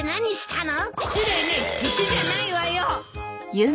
失礼ね自首じゃないわよ。